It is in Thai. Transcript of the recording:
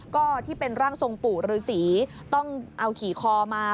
ก็ที่เป็นร่างทรงปู่ฤษีต้องเอาขี่คอมา